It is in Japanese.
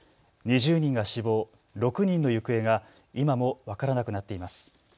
２０人が死亡、６人の行方が今も分からなくなっています。